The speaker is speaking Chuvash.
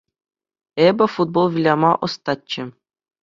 Эпӗ футбол выляма ӑстаччӗ.